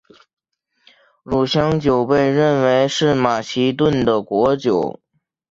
乳香酒被认为是马其顿的国酒。